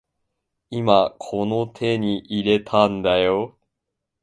今この手に入れたんだよ